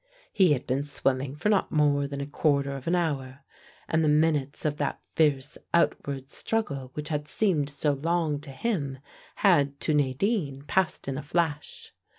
He had been swimming for not more than a quarter of an hour, and the minutes of that fierce outward struggle which had seemed so long to him had to Nadine passed in a flash.